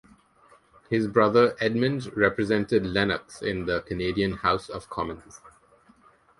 His brother Edmund represented Lennox in the Canadian House of Commons.